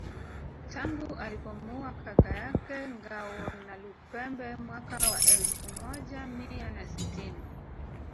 Tangu alipomuua kaka yake Ngawonalupembe mwaka wa elfu moja mia na sitini